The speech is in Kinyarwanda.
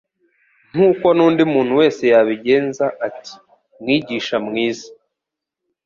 nk'uko n'undi muntu wese yabigenza, ati: "Mwigisha mwiza,